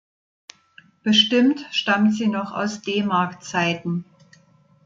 Bestimmt stammt sie noch aus D-Mark-Zeiten.